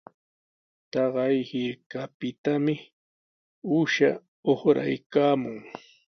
Taqay hirkapitami uusha uraykaamun.